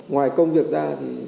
ngoài công việc ra thì